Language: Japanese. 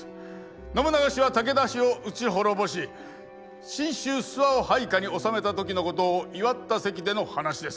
信長氏は武田氏を討ち滅ぼし信州諏訪を配下におさめた時のことを祝った席での話です。